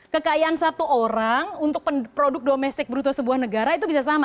kekayaan satu orang untuk produk domestik bruto sebuah negara itu bisa sama